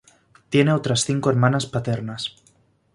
Tiene otras cinco hermanas paternas.